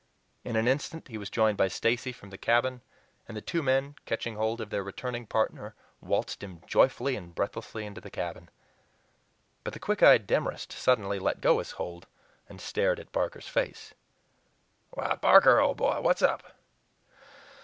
In an instant he was joined by Stacy from the cabin, and the two men, catching hold of their returning partner, waltzed him joyfully and breathlessly into the cabin. But the quick eyed Demorest suddenly let go his hold and stared at Barker's face. "Why, Barker, old boy, what's up?"